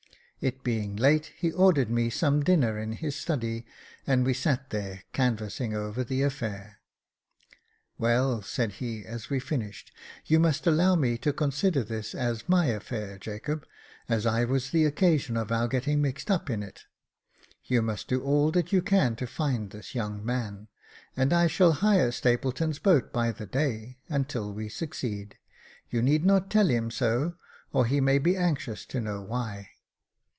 It being late, he ordered me some dinner in his study, and we sat there can vassing over the affair. " Well," said he, as we finished, " you must allow me to consider this as my affair, Jacob, as I was the occasion of our getting mixed up in it. You 3o8 Jacob Faithful must do all that you can to find this young man, and I shall hire Stapleton's boat by the day until we succeed ; you need not tell him so, or he may be anxious to know why.